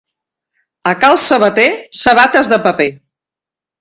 A cal sabater, sabates de paper.